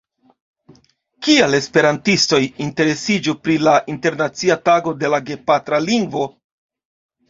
Kial esperantistoj interesiĝu pri la Internacia Tago de la Gepatra Lingvo?